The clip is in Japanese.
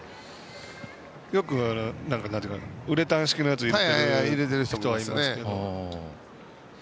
よくウレタン式のやつ入れてる人はいますけど。